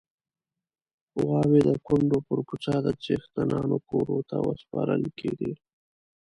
غواوې د کونډو پر کوڅه د څښتنانو کور ته ورسپارل کېدې.